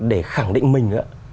để khẳng định mình